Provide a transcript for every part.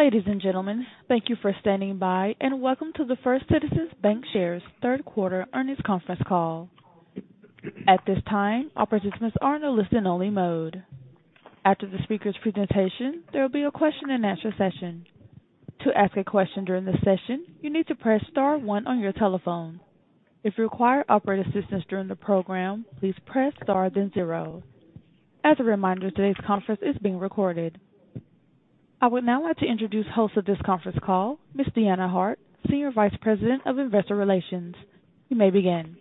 Ladies and gentlemen, thank you for standing by and welcome to the First Citizens BancShares third quarter earnings conference call. At this time, all participants are in a listen-only mode. After the speaker's presentation, there will be a question-and-answer session. To ask a question during the session, you need to press star one on your telephone. If you require operator assistance during the program, please press star, then zero. As a reminder, today's conference is being recorded. I would now like to introduce the host of this conference call, Miss Deanna Hart, Senior Vice President of Investor Relations. You may begin.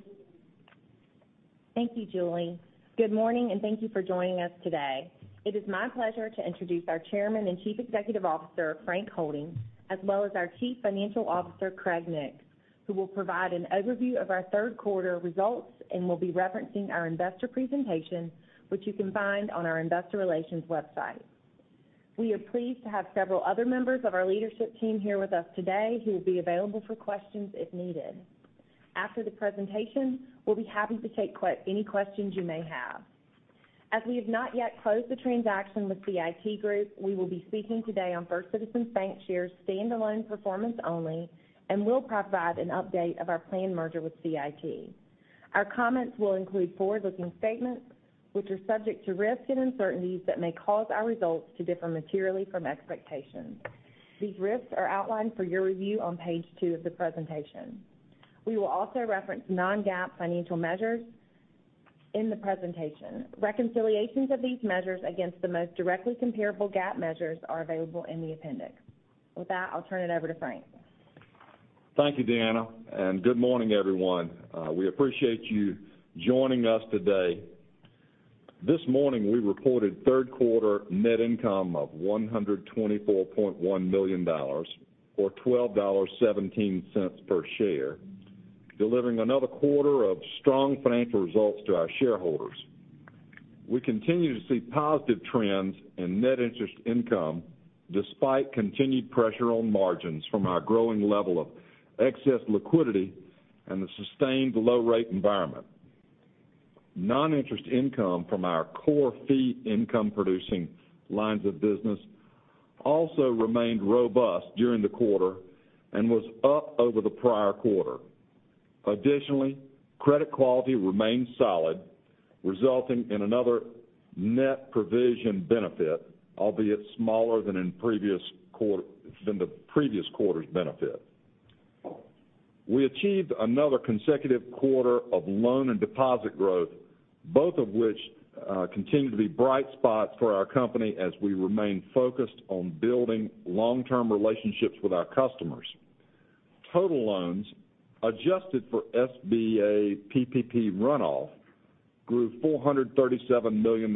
Thank you, Julie. Good morning and thank you for joining us today. It is my pleasure to introduce our Chairman and Chief Executive Officer, Frank Holding, as well as our Chief Financial Officer, Craig Nix, who will provide an overview of our third quarter results and will be referencing our investor presentation, which you can find on our investor relations website. We are pleased to have several other members of our leadership team here with us today who will be available for questions if needed. After the presentation, we'll be happy to take any questions you may have. As we have not yet closed the transaction with CIT Group, we will be speaking today on First Citizens BancShares standalone performance only and will provide an update of our planned merger with CIT. Our comments will include forward-looking statements, which are subject to risks and uncertainties that may cause our results to differ materially from expectations. These risks are outlined for your review on page two of the presentation. We will also reference non-GAAP financial measures in the presentation. Reconciliations of these measures against the most directly comparable GAAP measures are available in the appendix. With that, I'll turn it over to Frank. Thank you, Deanna, and good morning, everyone. We appreciate you joining us today. This morning, we reported third quarter net income of $124.1 million, or $12.17 per share, delivering another quarter of strong financial results to our shareholders. We continue to see positive trends in net interest income despite continued pressure on margins from our growing level of excess liquidity and the sustained low-rate environment. Non-interest income from our core fee income-producing lines of business also remained robust during the quarter and was up over the prior quarter. Additionally, credit quality remained solid, resulting in another net provision benefit, albeit smaller than the previous quarter's benefit. We achieved another consecutive quarter of loan and deposit growth, both of which continue to be bright spots for our company as we remain focused on building long-term relationships with our customers. Total loans, adjusted for SBA PPP runoff, grew $437 million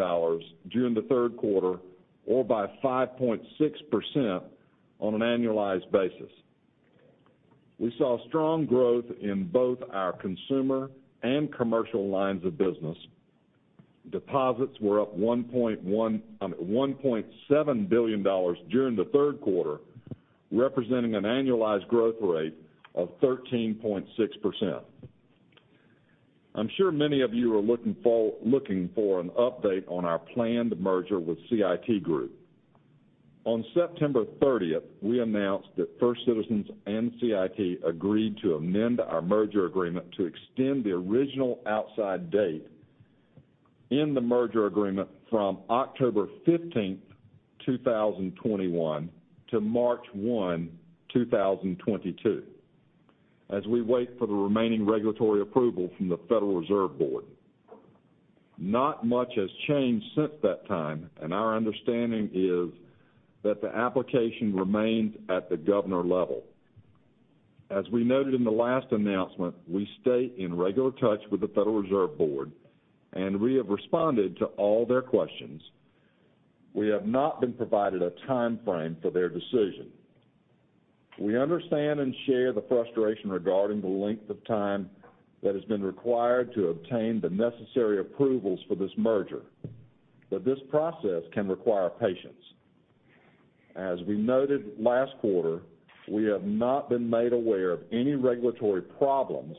during the third quarter or by 5.6% on an annualized basis. We saw strong growth in both our consumer and commercial lines of business. Deposits were up $1.7 billion during the third quarter, representing an annualized growth rate of 13.6%. I'm sure many of you are looking for an update on our planned merger with CIT Group. On September 30th, we announced that First Citizens and CIT agreed to amend our merger agreement to extend the original outside date in the merger agreement from October 15th, 2021, to March 1, 2022, as we wait for the remaining regulatory approval from the Federal Reserve Board. Not much has changed since that time, and our understanding is that the application remains at the governor level. As we noted in the last announcement, we stay in regular touch with the Federal Reserve Board, and we have responded to all their questions. We have not been provided a timeframe for their decision. We understand and share the frustration regarding the length of time that has been required to obtain the necessary approvals for this merger, but this process can require patience. As we noted last quarter, we have not been made aware of any regulatory problems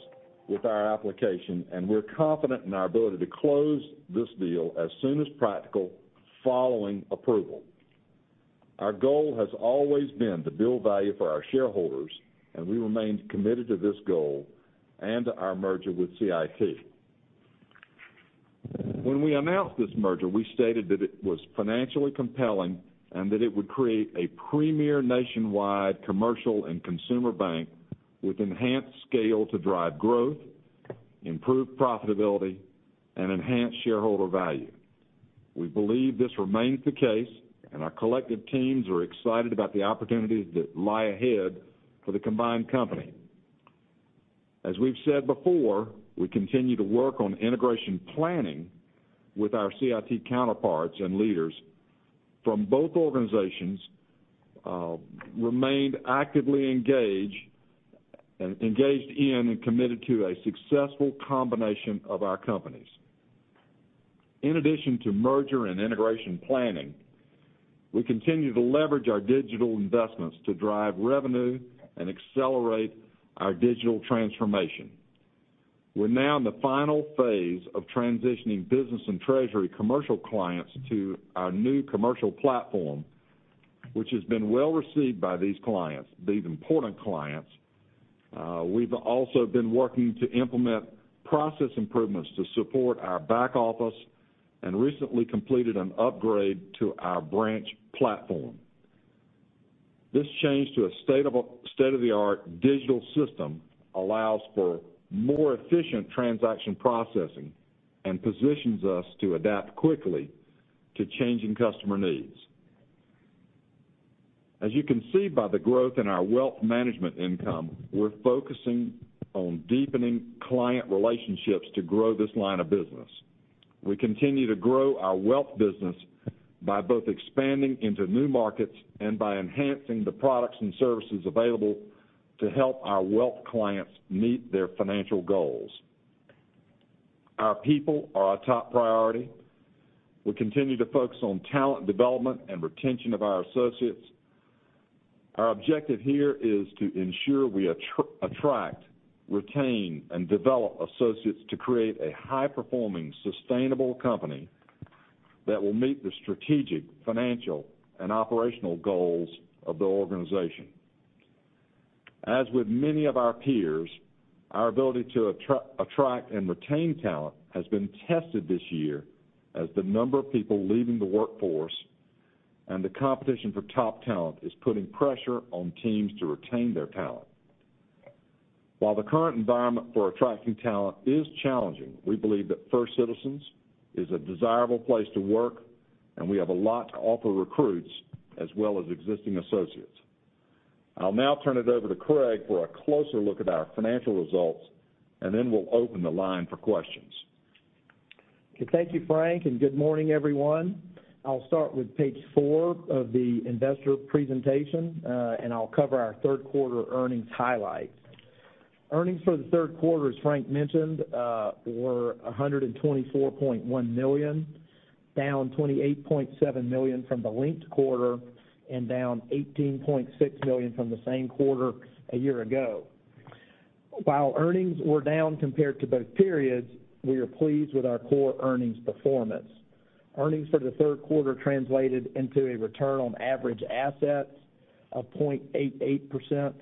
with our application, and we're confident in our ability to close this deal as soon as practical following approval. Our goal has always been to build value for our shareholders, and we remain committed to this goal and our merger with CIT. When we announced this merger, we stated that it was financially compelling and that it would create a premier nationwide commercial and consumer bank with enhanced scale to drive growth, improve profitability, and enhance shareholder value. We believe this remains the case, and our collective teams are excited about the opportunities that lie ahead for the combined company. As we've said before, we continue to work on integration planning with our CIT counterparts and leaders from both organizations remain actively engaged in and committed to a successful combination of our companies. In addition to merger and integration planning, we continue to leverage our digital investments to drive revenue and accelerate our digital transformation. We're now in the final phase of transitioning business and treasury commercial clients to our new commercial platform, which has been well received by these clients, these important clients. We've also been working to implement process improvements to support our back office and recently completed an upgrade to our branch platform. This change to a state-of-the-art digital system allows for more efficient transaction processing and positions us to adapt quickly to changing customer needs. As you can see by the growth in our wealth management income, we're focusing on deepening client relationships to grow this line of business. We continue to grow our wealth business by both expanding into new markets and by enhancing the products and services available to help our wealth clients meet their financial goals. Our people are our top priority. We continue to focus on talent development and retention of our associates. Our objective here is to ensure we attract, retain, and develop associates to create a high-performing, sustainable company that will meet the strategic, financial, and operational goals of the organization. As with many of our peers, our ability to attract and retain talent has been tested this year as the number of people leaving the workforce and the competition for top talent is putting pressure on teams to retain their talent. While the current environment for attracting talent is challenging, we believe that First Citizens is a desirable place to work, and we have a lot to offer recruits as well as existing associates. I'll now turn it over to Craig for a closer look at our financial results, and then we'll open the line for questions. Okay, thank you, Frank, and good morning, everyone. I'll start with page four of the investor presentation, and I'll cover our third quarter earnings highlights. Earnings for the third quarter, as Frank mentioned, were $124.1 million, down $28.7 million from the linked quarter and down $18.6 million from the same quarter a year ago. While earnings were down compared to both periods, we are pleased with our core earnings performance. Earnings for the third quarter translated into a return on average assets of 0.88%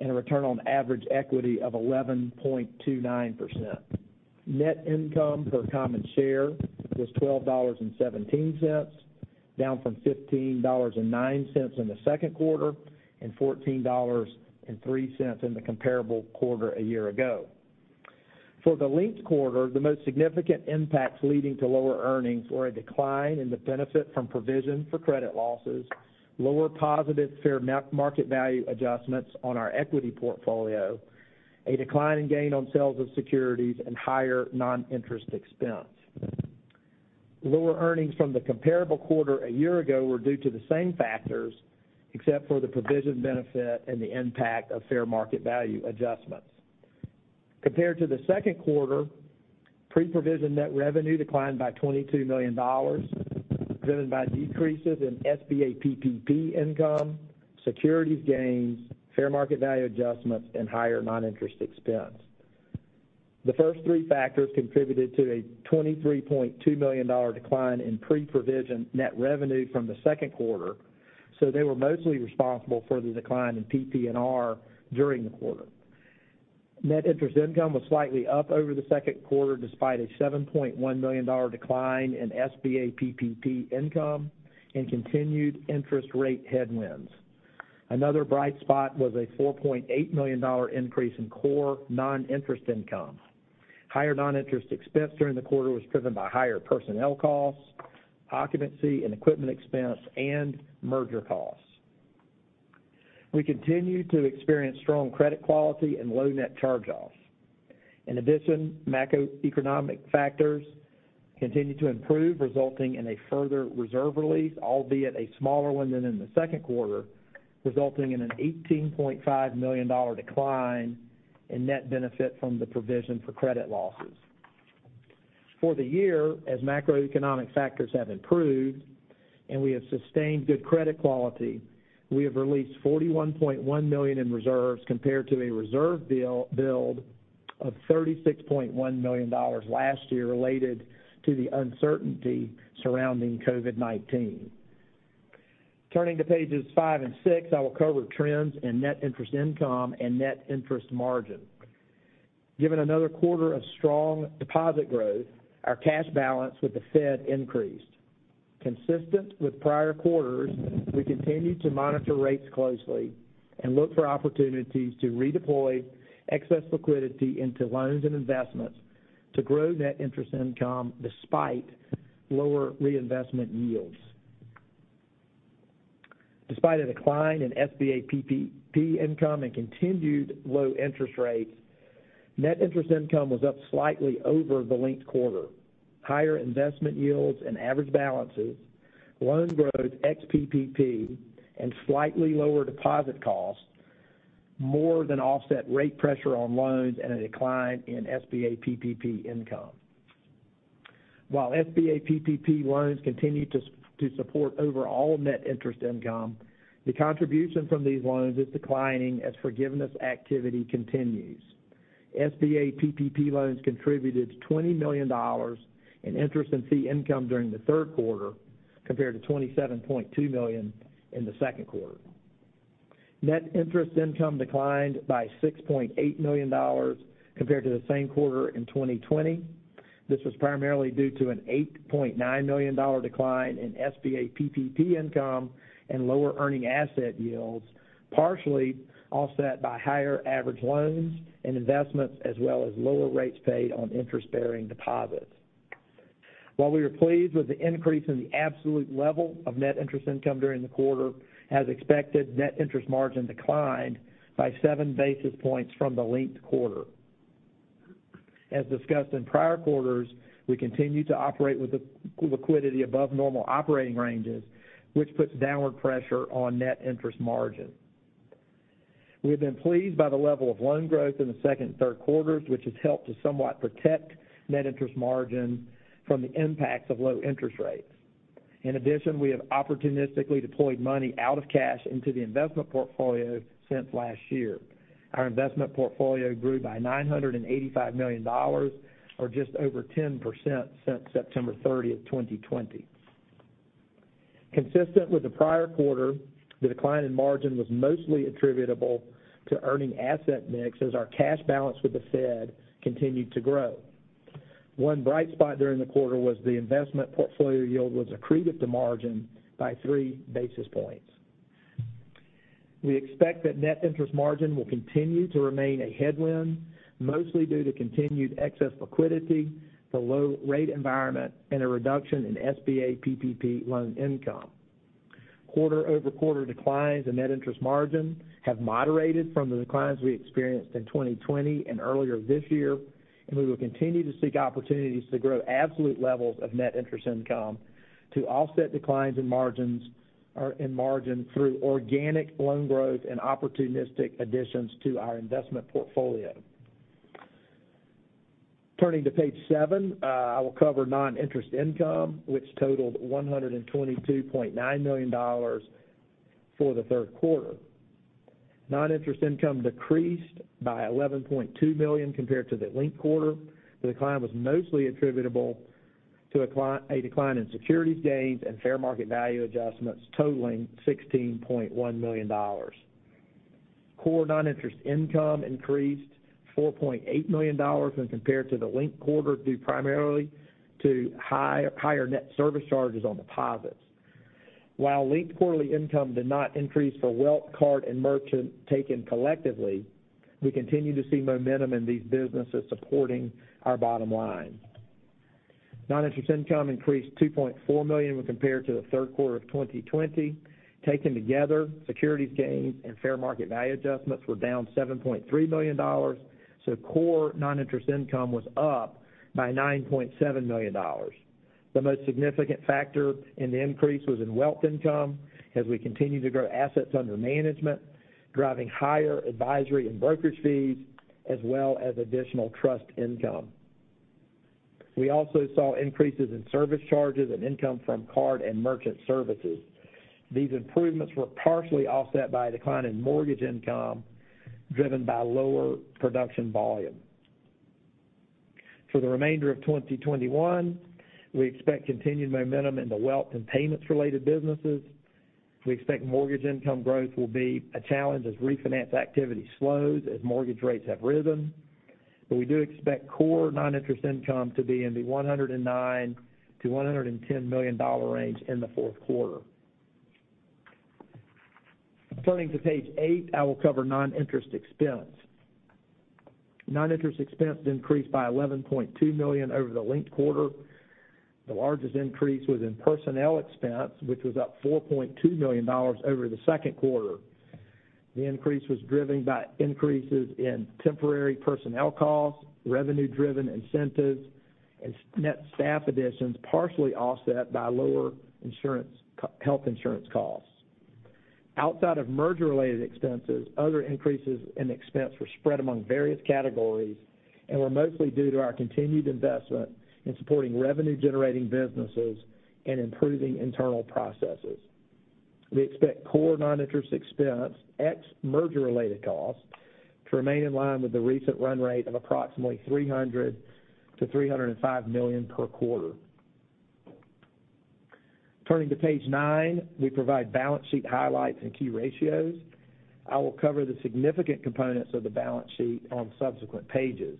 and a return on average equity of 11.29%. Net income per common share was $12.17, down from $15.09 in the second quarter and $14.03 in the comparable quarter a year ago. For the linked quarter, the most significant impacts leading to lower earnings were a decline in the benefit from provision for credit losses, lower positive fair market value adjustments on our equity portfolio, a decline in gain on sales of securities, and higher non-interest expense. Lower earnings from the comparable quarter a year ago were due to the same factors, except for the provision benefit and the impact of fair market value adjustments. Compared to the second quarter, pre-provision net revenue declined by $22 million, driven by decreases in SBA PPP income, securities gains, fair market value adjustments, and higher non-interest expense. The first three factors contributed to a $23.2 million dollar decline in pre-provision net revenue from the second quarter, so they were mostly responsible for the decline in PPNR during the quarter. Net interest income was slightly up over the second quarter, despite a $7.1 million decline in SBA PPP income and continued interest rate headwinds. Another bright spot was a $4.8 million increase in core non-interest income. Higher non-interest expense during the quarter was driven by higher personnel costs, occupancy and equipment expense, and merger costs. We continue to experience strong credit quality and low net charge-offs. In addition, macroeconomic factors continue to improve, resulting in a further reserve release, albeit a smaller one than in the second quarter, resulting in an $18.5 million decline in net benefit from the provision for credit losses. For the year, as macroeconomic factors have improved and we have sustained good credit quality, we have released $41.1 million in reserves compared to a reserve build of $36.1 million last year related to the uncertainty surrounding COVID-19. Turning to pages five and six, I will cover trends in net interest income and net interest margin. Given another quarter of strong deposit growth, our cash balance with the Fed increased. Consistent with prior quarters, we continue to monitor rates closely and look for opportunities to redeploy excess liquidity into loans and investments to grow net interest income despite lower reinvestment yields. Despite a decline in SBA PPP income and continued low interest rates, net interest income was up slightly over the linked quarter. Higher investment yields and average balances, loan growth ex-PPP, and slightly lower deposit costs more than offset rate pressure on loans and a decline in SBA PPP income. While SBA PPP loans continue to support overall net interest income, the contribution from these loans is declining as forgiveness activity continues. SBA PPP loans contributed $20 million in interest and fee income during the third quarter, compared to $27.2 million in the second quarter. Net interest income declined by $6.8 million compared to the same quarter in 2020. This was primarily due to an $8.9 million decline in SBA PPP income and lower earning asset yields, partially offset by higher average loans and investments, as well as lower rates paid on interest-bearing deposits. While we were pleased with the increase in the absolute level of net interest income during the quarter, as expected, net interest margin declined by seven basis points from the linked quarter. As discussed in prior quarters, we continue to operate with liquidity above normal operating ranges, which puts downward pressure on net interest margin. We have been pleased by the level of loan growth in the second and third quarters, which has helped to somewhat protect net interest margin from the impacts of low interest rates. In addition, we have opportunistically deployed money out of cash into the investment portfolio since last year. Our investment portfolio grew by $985 million or just over 10% since September 30th, 2020. Consistent with the prior quarter, the decline in margin was mostly attributable to earning asset mix as our cash balance with the Fed continued to grow. One bright spot during the quarter was the investment portfolio yield was accretive to margin by three basis points. We expect that net interest margin will continue to remain a headwind, mostly due to continued excess liquidity, the low-rate environment, and a reduction in SBA PPP loan income. Quarter-over-quarter declines in net interest margin have moderated from the declines we experienced in 2020 and earlier this year, and we will continue to seek opportunities to grow absolute levels of net interest income to offset declines in margins, or in margin through organic loan growth and opportunistic additions to our investment portfolio. Turning to page seven, I will cover non-interest income, which totaled $122.9 million for the third quarter. Non-interest income decreased by $11.2 million compared to the linked quarter. The decline was mostly attributable to a decline in securities gains and fair market value adjustments totaling $16.1 million. Core non-interest income increased $4.8 million when compared to the linked quarter due primarily to higher net service charges on deposits. While linked quarterly income did not increase for wealth, card, and merchant taken collectively, we continue to see momentum in these businesses supporting our bottom line. Non-interest income increased $2.4 million when compared to the third quarter of 2020. Taken together, securities gains and fair market value adjustments were down $7.3 million, so core non-interest income was up by $9.7 million. The most significant factor in the increase was in wealth income as we continue to grow assets under management, driving higher advisory and brokerage fees, as well as additional trust income. We also saw increases in service charges and income from card and merchant services. These improvements were partially offset by a decline in mortgage income, driven by lower production volume. For the remainder of 2021, we expect continued momentum in the wealth and payments related businesses. We expect mortgage income growth will be a challenge as refinance activity slows, as mortgage rates have risen. We do expect core non-interest income to be in the $109 million-$110 million range in the fourth quarter. Turning to page eight, I will cover non-interest expense. Non-interest expense increased by $11.2 million over the linked quarter. The largest increase was in personnel expense, which was up $4.2 million over the second quarter. The increase was driven by increases in temporary personnel costs, revenue driven incentives, and net staff additions, partially offset by lower insurance health insurance costs. Outside of merger related expenses, other increases in expense were spread among various categories and were mostly due to our continued investment in supporting revenue generating businesses and improving internal processes. We expect core non-interest expense ex merger related costs to remain in line with the recent run rate of approximately $300 million-$305 million per quarter. Turning to page nine, we provide balance sheet highlights and key ratios. I will cover the significant components of the balance sheet on subsequent pages.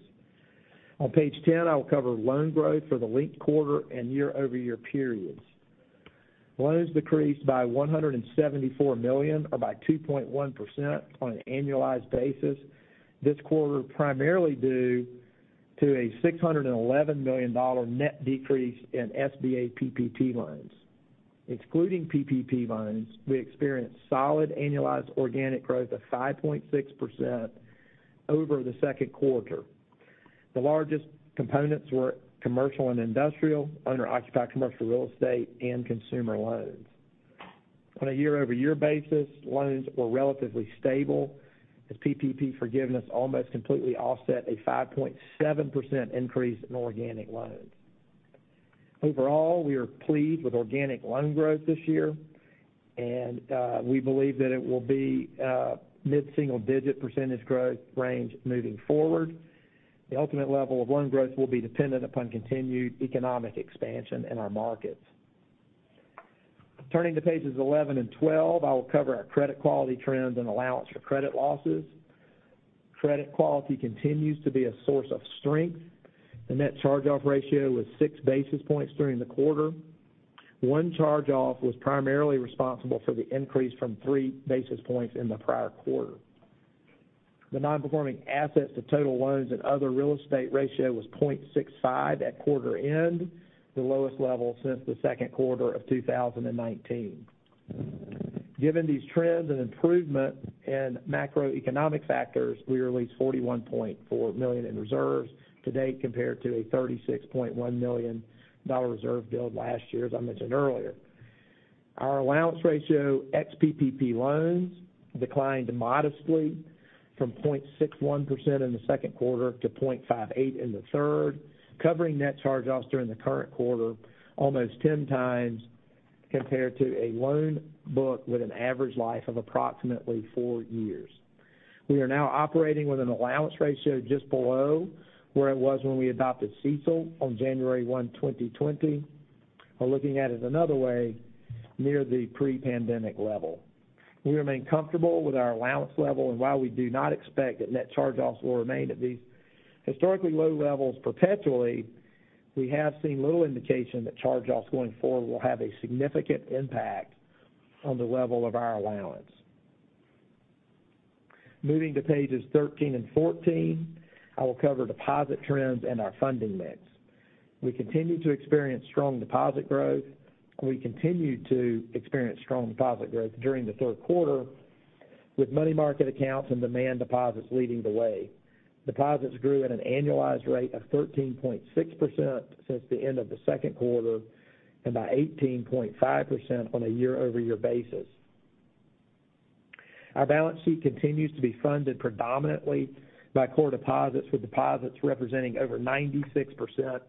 On page ten, I will cover loan growth for the linked quarter and year-over-year periods. Loans decreased by $174 million or by 2.1% on an annualized basis this quarter, primarily due to a $611 million net decrease in SBA PPP loans. Excluding PPP loans, we experienced solid annualized organic growth of 5.6% over the second quarter. The largest components were commercial and industrial, owner-occupied commercial real estate, and consumer loans. On a year-over-year basis, loans were relatively stable as PPP forgiveness almost completely offset a 5.7% increase in organic loans. Overall, we are pleased with organic loan growth this year, and we believe that it will be a mid-single digit percentage growth range moving forward. The ultimate level of loan growth will be dependent upon continued economic expansion in our markets. Turning to pages 11 and 12, I will cover our credit quality trends and allowance for credit losses. Credit quality continues to be a source of strength. The net charge-off ratio was six basis points during the quarter. One charge-off was primarily responsible for the increase from three basis points in the prior quarter. The non-performing assets to total loans and other real estate ratio was 0.65 at quarter end, the lowest level since the second quarter of 2019. Given these trends and improvement in macroeconomic factors, we released $41.4 million in reserves to date, compared to a $36.1 million reserve build last year, as I mentioned earlier. Our allowance ratio ex PPP loans declined modestly from 0.61% in the second quarter to 0.58% in the third, covering net charge-offs during the current quarter almost 10x compared to a loan book with an average life of approximately four years. We are now operating with an allowance ratio just below where it was when we adopted CECL on January 1, 2020. Looking at it another way, near the pre-pandemic level. We remain comfortable with our allowance level, and while we do not expect that net charge-offs will remain at these historically low levels perpetually, we have seen little indication that charge-offs going forward will have a significant impact on the level of our allowance. Moving to pages 13 and 14, I will cover deposit trends and our funding mix. We continued to experience strong deposit growth during the third quarter, with money market accounts and demand deposits leading the way. Deposits grew at an annualized rate of 13.6% since the end of the second quarter, and by 18.5% on a year-over-year basis. Our balance sheet continues to be funded predominantly by core deposits, with deposits representing over 96%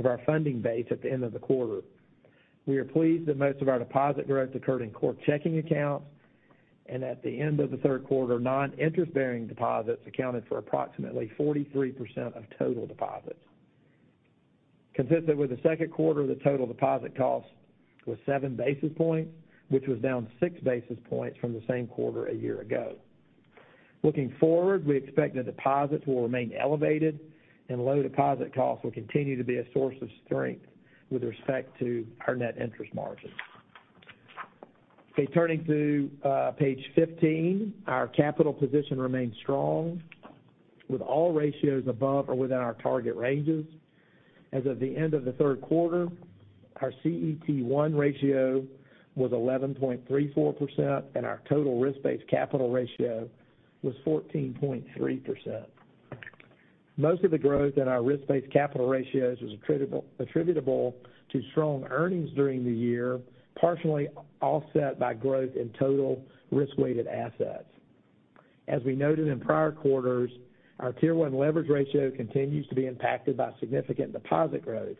of our funding base at the end of the quarter. We are pleased that most of our deposit growth occurred in core checking accounts, and at the end of the third quarter, non-interest-bearing deposits accounted for approximately 43% of total deposits. Consistent with the second quarter, the total deposit cost was seven basis points, which was down six basis points from the same quarter a year ago. Looking forward, we expect that deposits will remain elevated and low deposit costs will continue to be a source of strength with respect to our net interest margin. Okay, turning to page 15, our capital position remains strong with all ratios above or within our target ranges. As of the end of the third quarter, our CET1 ratio was 11.34% and our total risk-based capital ratio was 14.3%. Most of the growth in our risk-based capital ratios was attributable to strong earnings during the year, partially offset by growth in total risk-weighted assets. As we noted in prior quarters, our Tier one leverage ratio continues to be impacted by significant deposit growth,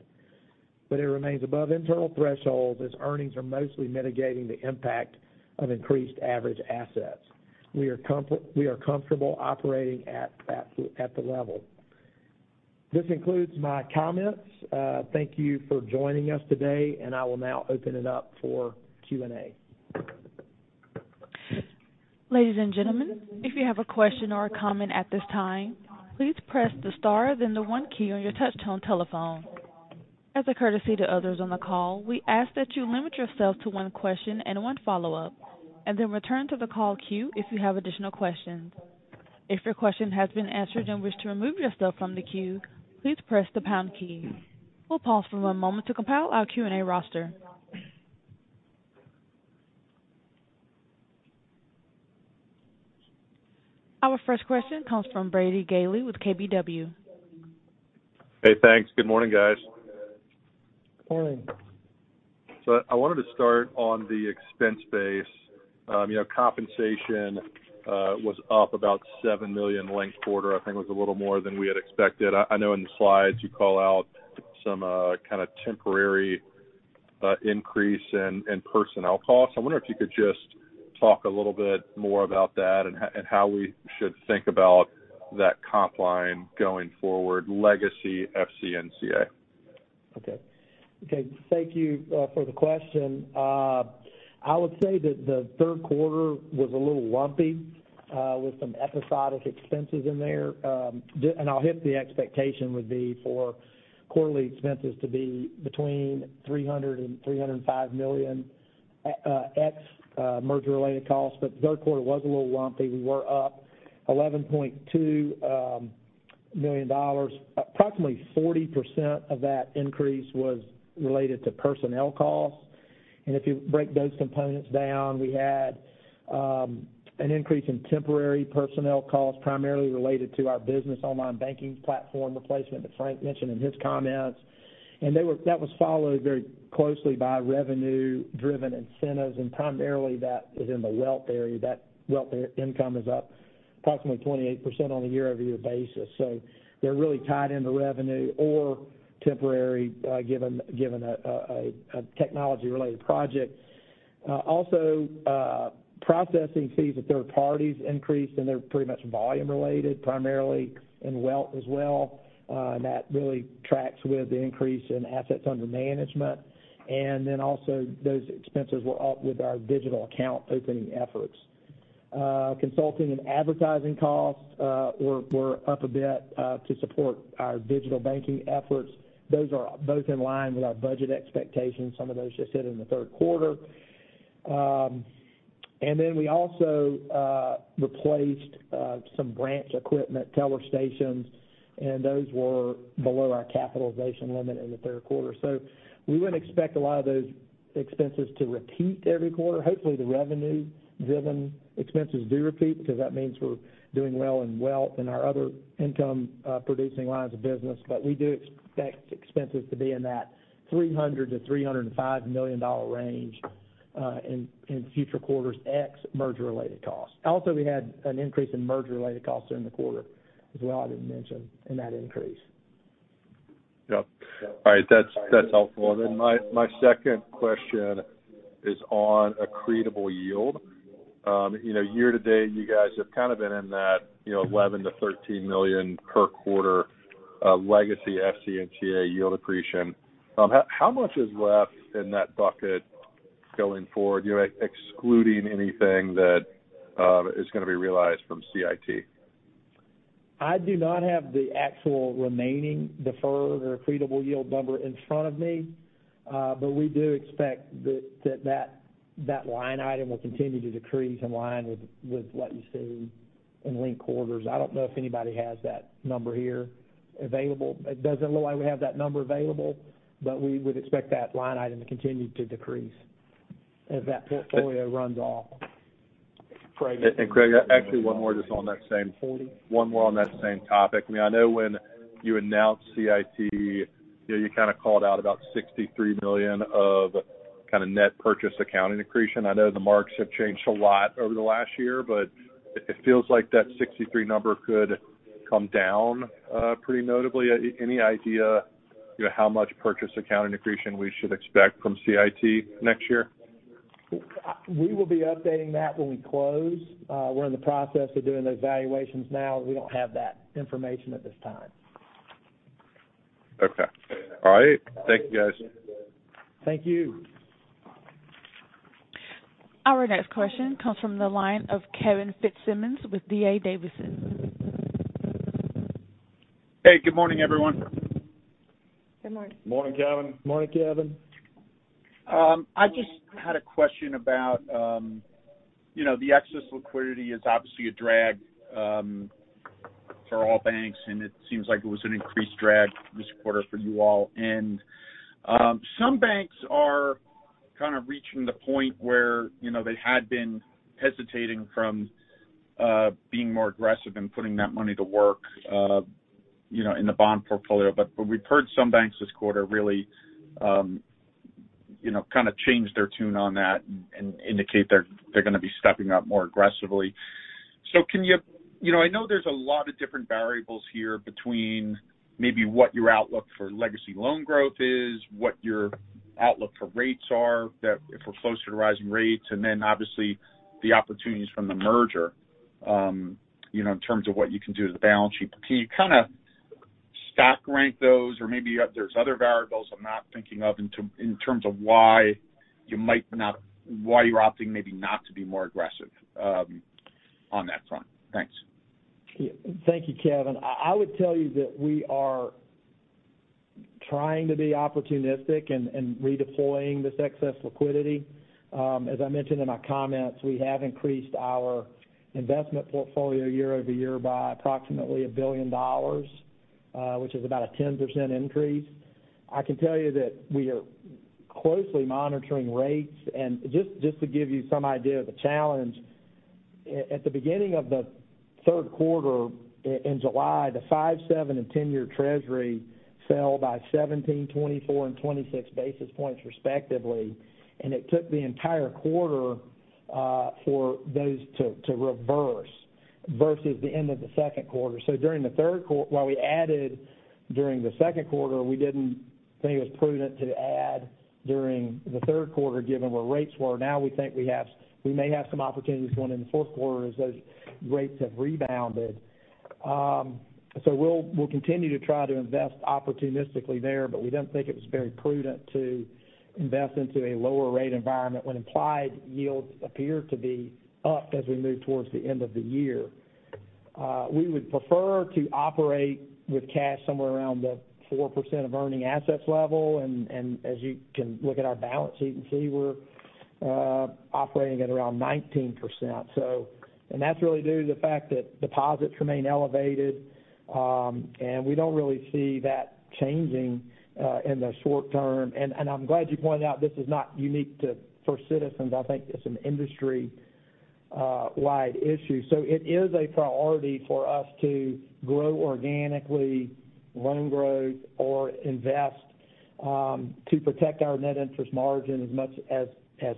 but it remains above internal thresholds as earnings are mostly mitigating the impact of increased average assets. We are comfortable operating at the level. This concludes my comments. Thank you for joining us today, and I will now open it up for Q&A. Ladies and gentlemen, if you have a question or a comment at this time, please press the star, then the one key on your touch tone telephone. As a courtesy to others on the call, we ask that you limit yourself to one question and one follow-up and then return to the call queue if you have additional questions. If your question has been answered and wish to remove yourself from the queue, please press the pound key. We'll pause for one moment to compile our Q&A roster. Our first question comes from Brady Gailey with KBW. Hey, thanks. Good morning, guys. Morning. I wanted to start on the expense base. You know, compensation was up about $7 million linked quarter, I think was a little more than we had expected. I know in the slides you call out some kind of temporary increase in personnel costs. I wonder if you could just talk a little bit more about that and how we should think about that comp line going forward, legacy FCNCA. Okay. Thank you for the question. I would say that the third quarter was a little lumpy with some episodic expenses in there. I'll hit the expectation would be for quarterly expenses to be between $300 million and $305 million ex merger-related costs. The third quarter was a little lumpy. We were up $11.2 million. Approximately 40% of that increase was related to personnel costs. If you break those components down, we had an increase in temporary personnel costs, primarily related to our business online banking platform replacement that Frank mentioned in his comments. That was followed very closely by revenue-driven incentives, and primarily that is in the wealth area. That wealth income is up approximately 28% on a year-over-year basis. They're really tied into revenue or temporary, given a technology-related project. Processing fees with third parties increased, and they're pretty much volume related, primarily in wealth as well. That really tracks with the increase in assets under management. Those expenses were up with our digital account opening efforts. Consulting and advertising costs were up a bit to support our digital banking efforts. Those are both in line with our budget expectations. Some of those just hit in the third quarter. We also replaced some branch equipment teller stations, and those were below our capitalization limit in the third quarter. We wouldn't expect a lot of those expenses to repeat every quarter. Hopefully, the revenue-driven expenses do repeat because that means we're doing well in wealth and our other income producing lines of business. We do expect expenses to be in that $300 million-$305 million range in future quarters ex merger-related costs. Also, we had an increase in merger-related costs during the quarter as well, I didn't mention that increase. Yep. All right. That's helpful. My second question is on accretable yield. You know, year-to-date, you guys have kind of been in that, you know, $11 million-$13 million per quarter, legacy FCNCA yield accretion. How much is left in that bucket going forward, you know, excluding anything that is going to be realized from CIT? I do not have the actual remaining deferred or accretable yield number in front of me, but we do expect that line item will continue to decrease in line with what you see in linked quarters. I don't know if anybody has that number here available. It doesn't look like we have that number available, but we would expect that line item to continue to decrease as that portfolio runs off. Craig, actually one more on that same topic. I mean, I know when you announced CIT, you know, you kind of called out about $63 million of kind of net purchase accounting accretion. I know the marks have changed a lot over the last year, but it feels like that 63 number could come down pretty notably. Any idea, you know, how much purchase accounting accretion we should expect from CIT next year? We will be updating that when we close. We're in the process of doing those valuations now. We don't have that information at this time. Okay. All right. Thank you, guys. Thank you. Our next question comes from the line of Kevin Fitzsimmons with D.A. Davidson. Hey, good morning, everyone. Good morning. Morning, Kevin. Morning, Kevin. I just had a question about, you know, the excess liquidity is obviously a drag for all banks, and it seems like it was an increased drag this quarter for you all. Some banks are kind of reaching the point where, you know, they had been hesitating from being more aggressive and putting that money to work, you know, in the bond portfolio. We've heard some banks this quarter really, you know, kind of change their tune on that and indicate they're going to be stepping up more aggressively. Can you, I know there's a lot of different variables here between maybe what your outlook for legacy loan growth is, what your outlook for rates are for closer to rising rates, and then obviously the opportunities from the merger, in terms of what you can do to the balance sheet. Can you kind of stack rank those, or maybe there's other variables I'm not thinking of in terms of why you're opting maybe not to be more aggressive, on that front? Thanks. Thank you, Kevin. I would tell you that we are trying to be opportunistic in redeploying this excess liquidity. As I mentioned in my comments, we have increased our investment portfolio year-over-year by approximately $1 billion, which is about a 10% increase. I can tell you that we are closely monitoring rates. Just to give you some idea of the challenge, at the beginning of the third quarter in July, the five-, seven-, and 10-year Treasury fell by 17, 24, and 26 basis points respectively, and it took the entire quarter for those to reverse versus the end of the second quarter. While we added during the second quarter, we didn't think it was prudent to add during the third quarter given where rates were. Now we think we may have some opportunities going in the fourth quarter as those rates have rebounded. We'll continue to try to invest opportunistically there, but we didn't think it was very prudent to invest into a lower rate environment when implied yields appear to be up as we move towards the end of the year. We would prefer to operate with cash somewhere around the 4% of earning assets level. As you can look at our balance sheet and see, we're operating at around 19%. That's really due to the fact that deposits remain elevated, and we don't really see that changing in the short term. I'm glad you pointed out this is not unique to First Citizens. I think it's an industry-wide issue. It is a priority for us to grow organically, loan growth or invest, to protect our net interest margin as much as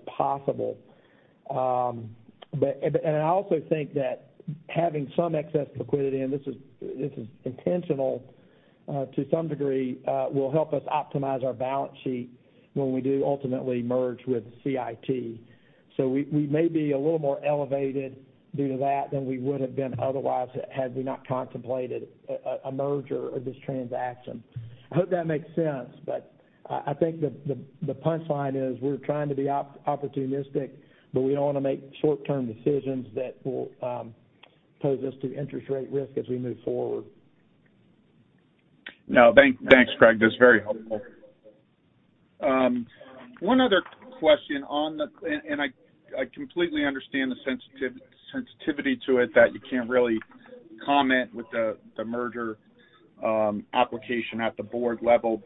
possible. I also think that having some excess liquidity, and this is intentional, to some degree, will help us optimize our balance sheet when we do ultimately merge with CIT. We may be a little more elevated due to that than we would have been otherwise had we not contemplated a merger or this transaction. I hope that makes sense, but I think the punchline is we're trying to be opportunistic, but we don't want to make short-term decisions that will pose us to interest rate risk as we move forward. No, thanks, Craig. That's very helpful. One other question. I completely understand the sensitivity to it that you can't really comment with the merger application at the board level.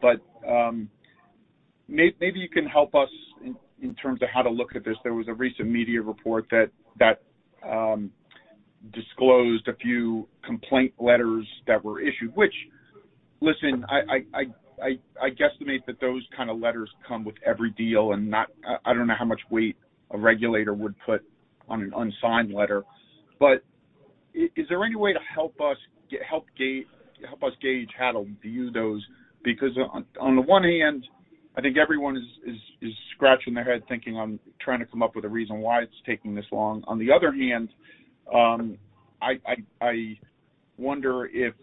Maybe you can help us in terms of how to look at this. There was a recent media report that disclosed a few complaint letters that were issued, which, listen, I guesstimate that those kind of letters come with every deal. I don't know how much weight a regulator would put on an unsigned letter. Is there any way to help us gauge how to view those? Because on the one hand, I think everyone is scratching their head thinking on trying to come up with a reason why it's taking this long. On the other hand, I wonder if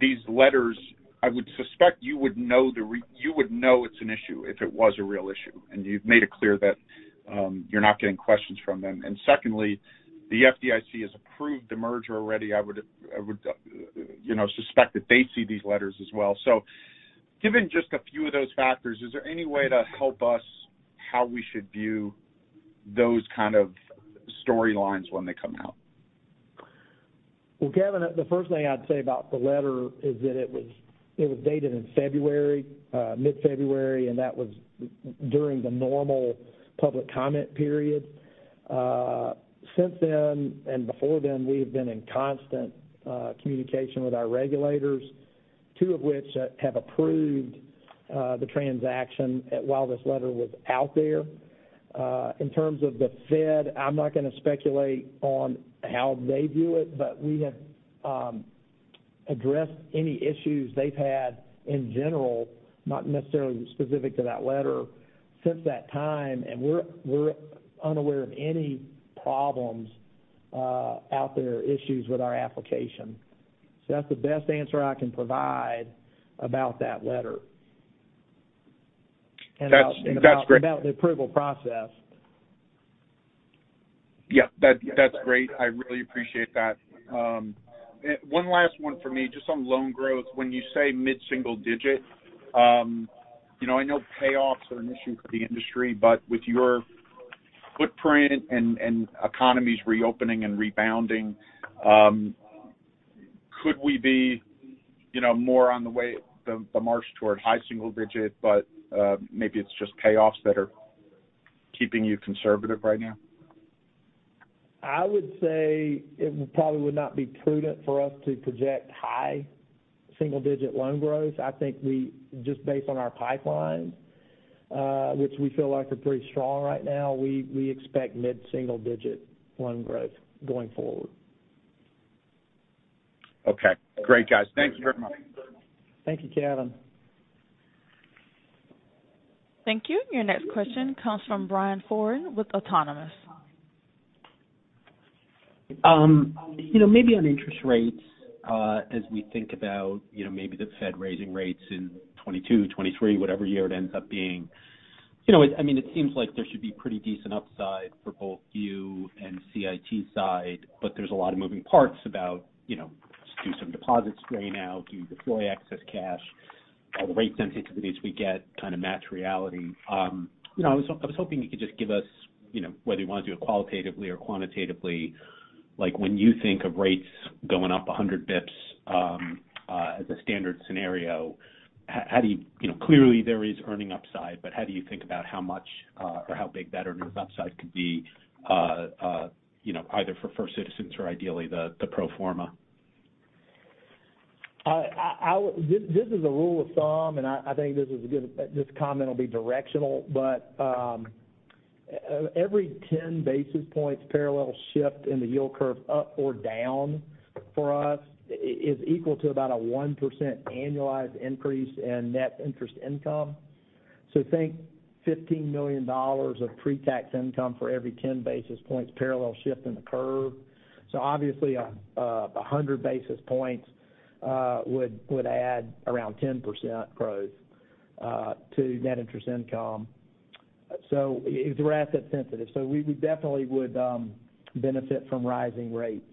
these letters, I would suspect you would know it's an issue if it was a real issue, and you've made it clear that you're not getting questions from them. Secondly, the FDIC has approved the merger already. I would suspect that they see these letters as well. Given just a few of those factors, is there any way to help us how we should view those kind of storylines when they come out? Well, Kevin, the first thing I'd say about the letter is that it was dated in mid-February, and that was during the normal public comment period. Since then and before then, we have been in constant communication with our regulators, two of which have approved the transaction while this letter was out there. In terms of the Fed, I'm not gonna speculate on how they view it, but we have addressed any issues they've had in general, not necessarily specific to that letter, since that time, and we're unaware of any problems out there, issues with our application. That's the best answer I can provide about that letter. That's great. about the approval process. Yeah, that's great. I really appreciate that. One last one for me, just on loan growth. When you say mid-single digit, you know, I know payoffs are an issue for the industry, but with your footprint and economies reopening and rebounding, could we be, you know, more on the march toward high single digit, but maybe it's just payoffs that are keeping you conservative right now? I would say it probably would not be prudent for us to project high single-digit loan growth. I think we, just based on our pipeline, which we feel like are pretty strong right now, we expect mid-single digit loan growth going forward. Okay. Great, guys. Thanks very much. Thank you, Kevin. Thank you. Your next question comes from Brian Foran with Autonomous. You know, maybe on interest rates, as we think about, you know, maybe the Fed raising rates in 2022, 2023, whatever year it ends up being. You know, I mean, it seems like there should be pretty decent upside for both you and CIT's side, but there's a lot of moving parts about, you know, do some deposits go away, do you deploy excess cash? How the rate sensitivities we get kind of match reality. You know, I was hoping you could just give us, you know, whether you want to do it qualitatively or quantitatively, like when you think of rates going up 100 basis points, as a standard scenario, how do you You know, clearly there is earnings upside, but how do you think about how much or how big that earnings upside could be, you know, either for First Citizens or ideally the pro forma? This is a rule of thumb, and I think this comment will be directional, but every 10 basis points parallel shift in the yield curve up or down for us is equal to about a 1% annualized increase in net interest income. Think $15 million of pre-tax income for every 10 basis points parallel shift in the curve. Obviously, 100 basis points would add around 10% growth to net interest income. We're asset sensitive, so we definitely would benefit from rising rates.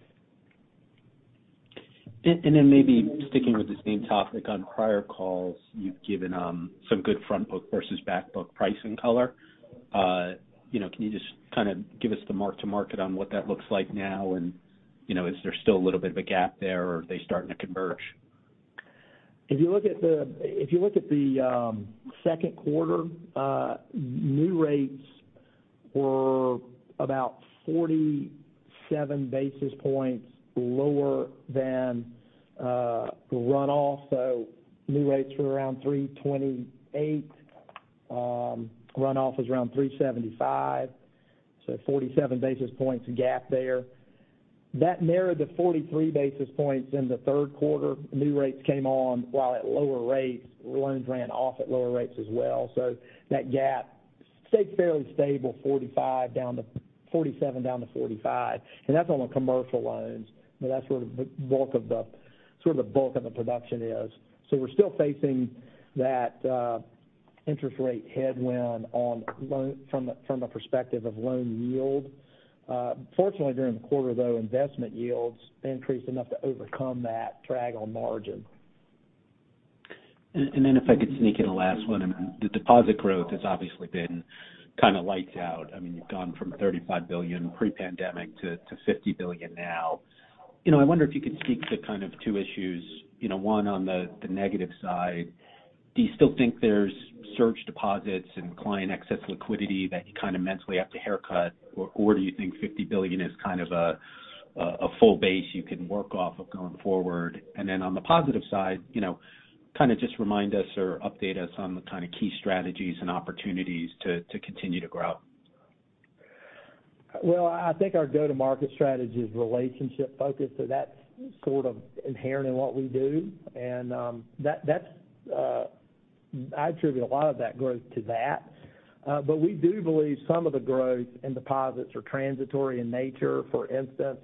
Then maybe sticking with the same topic, on prior calls, you've given some good front book versus back book pricing color. You know, can you just kind of give us the mark to market on what that looks like now? You know, is there still a little bit of a gap there or are they starting to converge? If you look at the second quarter, new rates were about 47 basis points lower than the runoff. New rates were around 3.28. Runoff was around 3.75, so 47 basis points gap there. That narrowed to 43 basis points in the third quarter. New rates came on while at lower rates. Loans ran off at lower rates as well. That gap stayed fairly stable, 47 down to 45, and that's on the commercial loans. But that's where the bulk of the production is. We're still facing that interest rate headwind on loans from a perspective of loan yield. Fortunately, during the quarter though, investment yields increased enough to overcome that drag on margin. If I could sneak in the last one. The deposit growth has obviously been kind of lights out. I mean, you've gone from $35 billion pre-pandemic to $50 billion now. You know, I wonder if you could speak to kind of two issues. You know, one on the negative side, do you still think there's surplus deposits and client excess liquidity that you kind of mentally have to haircut or do you think $50 billion is kind of a full base you can work off of going forward? On the positive side, you know, kind of just remind us or update us on the kind of key strategies and opportunities to continue to grow. Well, I think our go-to-market strategy is relationship focused, so that's sort of inherent in what we do. That's. I attribute a lot of that growth to that. We do believe some of the growth in deposits are transitory in nature. For instance,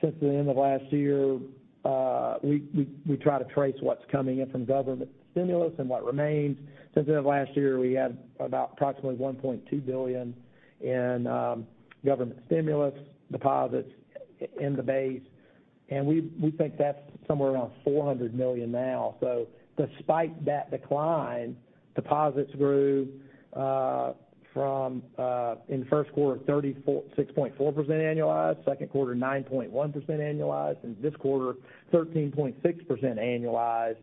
since the end of last year, we try to trace what's coming in from government stimulus and what remains. Since the end of last year, we had about approximately $1.2 billion in government stimulus deposits in the base, and we think that's somewhere around $400 million now. Despite that decline, deposits grew from in first quarter, 6.4% annualized, second quarter, 9.1% annualized, and this quarter, 13.6% annualized.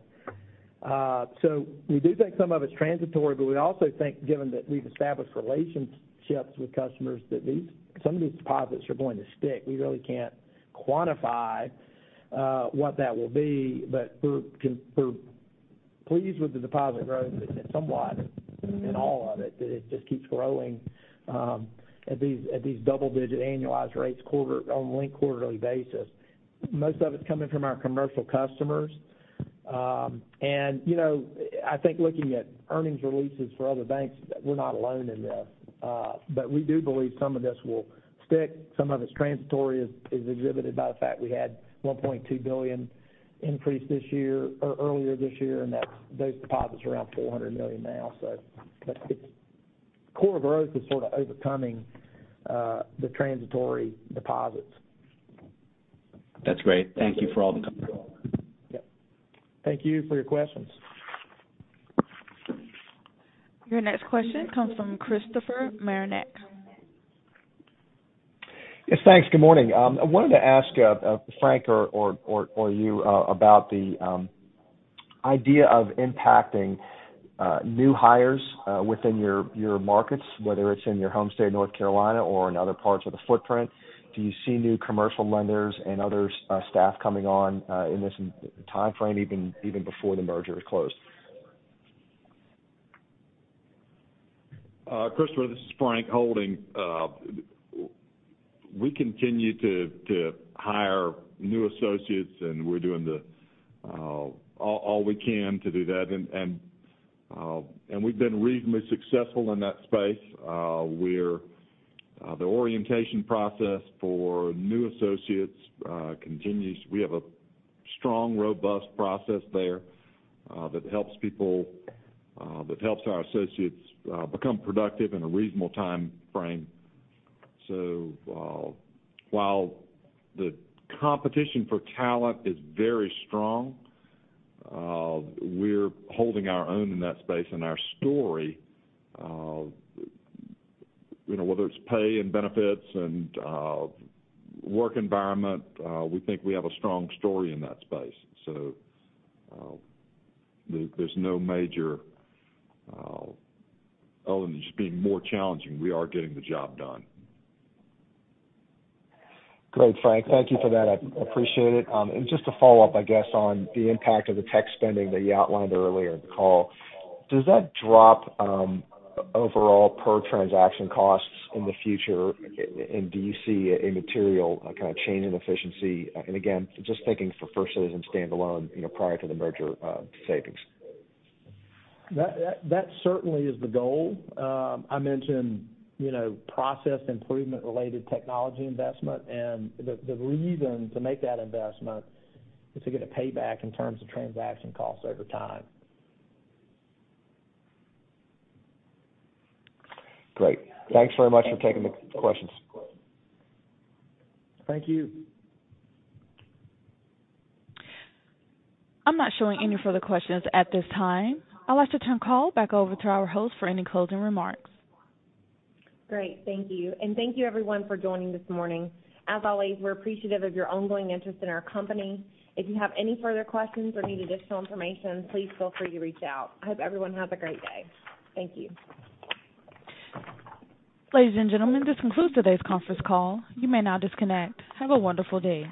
We do think some of its transitory, but we also think, given that we've established relationships with customers, that these, some of these deposits are going to stick. We really can't quantify what that will be, but we're pleased with the deposit growth and somewhat in awe of it, that it just keeps growing at these double-digit annualized rates on a quarter-on-quarter basis. Most of its coming from our commercial customers. You know, I think looking at earnings releases for other banks, we're not alone in this. We do believe some of this will stick. Some of its transitory, as exhibited by the fact we had a $1.2 billion increase this year or earlier this year, and those deposits are around $400 million now. Its core growth is sort of overcoming the transitory deposits. That's great. Thank you for all the. Yeah. Thank you for your questions. Your next question comes from Christopher Marinac. Yes, thanks. Good morning. I wanted to ask Frank or you about the idea of attracting new hires within your markets, whether it's in your home state of North Carolina or in other parts of the footprint. Do you see new commercial lenders and other staff coming on in this timeframe, even before the merger is closed? Christopher, this is Frank Holding. We continue to hire new associates and we're doing all we can to do that. We've been reasonably successful in that space. The orientation process for new associates continues. We have a strong, robust process there that helps our associates become productive in a reasonable timeframe. While the competition for talent is very strong, we're holding our own in that space. Our story, you know, whether it's pay and benefits and work environment, we think we have a strong story in that space. There's no major other than just being more challenging, we are getting the job done. Great, Frank. Thank you for that. I appreciate it. Just to follow up, I guess, on the impact of the tech spending that you outlined earlier in the call. Does that drop overall per transaction costs in the future? And do you see a material kind of change in efficiency? Again, just thinking for First Citizens standalone, you know, prior to the merger, savings. That certainly is the goal. I mentioned, you know, process improvement related technology investment, and the reason to make that investment is to get a payback in terms of transaction costs over time. Great. Thanks very much for taking the questions. Thank you. I'm not showing any further questions at this time. I'd like to turn the call back over to our host for any closing remarks. Great. Thank you. Thank you everyone for joining this morning. As always, we're appreciative of your ongoing interest in our company. If you have any further questions or need additional information, please feel free to reach out. I hope everyone has a great day. Thank you. Ladies and gentlemen, this concludes today's conference call. You may now disconnect. Have a wonderful day.